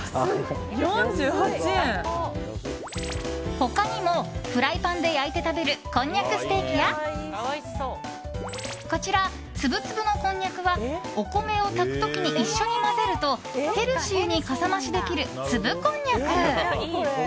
他にもフライパンで焼いて食べるこんにゃくステーキやこちら、つぶつぶのこんにゃくはお米を炊く時に一緒に混ぜるとヘルシーにかさ増しできるつぶこんにゃく。